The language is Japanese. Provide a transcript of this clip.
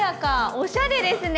おしゃれですね。